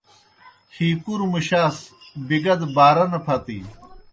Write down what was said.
ہی کُروْ مُشاس بِگا دہ سہ بارا نہ پھتِینوْ۔